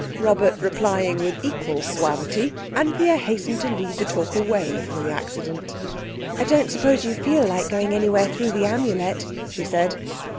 Robert replying with equal suavity, Anthea hastened to lead the talk away from the accident. "I suppose you don't feel like going anywhere through the Amulet," she said.